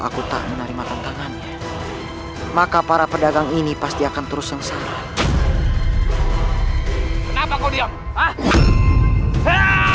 aku tak menerima tantangannya maka para pedagang ini pasti akan terus sengsara kenapa kau diam ah